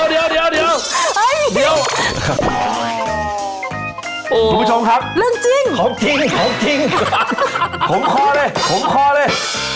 คุณผู้ชมครับผมทิ้งผมทิ้งผมคลอดเลยผมคลอดเลย